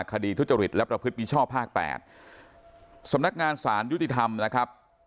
คดีทุจริตและประพฤติมิชชอบภาค๘สำนักงานสารยุติธรรมนะครับ